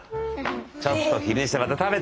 ちょっと昼寝してまた食べて。